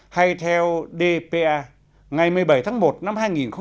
hay theo dpa ngày một mươi bảy tháng một năm hai nghìn một mươi chín